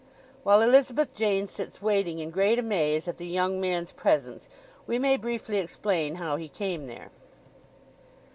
While Elizabeth Jane sits waiting in great amaze at the young man's presence we may briefly explain how he came there.